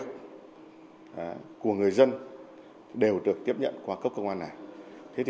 các hồ sơ mọi vụ việc của người dân đều được tiếp nhận qua cấp công an này